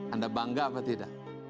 anda bangga apa tidak